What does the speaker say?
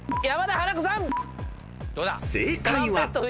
［正解は］